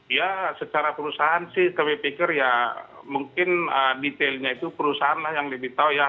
ya secara perusahaan sih kami pikir ya mungkin detailnya itu perusahaan lah yang lebih tahu ya